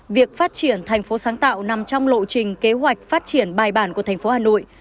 việc phát triển thành phố sáng tạo nằm trong lộ trình kế hoạch phát triển bài bản của thành phố hà nội